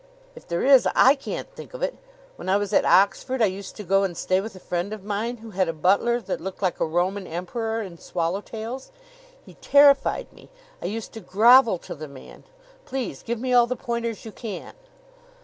"If there is I can't think of it. When I was at Oxford I used to go and stay with a friend of mine who had a butler that looked like a Roman emperor in swallowtails. He terrified me. I used to grovel to the man. Please give me all the pointers you can."